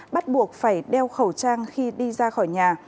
bắt buộc phải đeo khẩu trang khi đi ra khỏi nhà